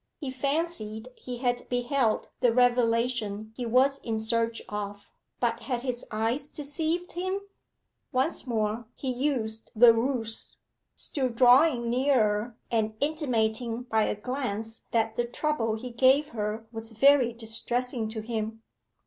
He fancied he had beheld the revelation he was in search of. But had his eyes deceived him? Once more he used the ruse, still drawing nearer and intimating by a glance that the trouble he gave her was very distressing to him.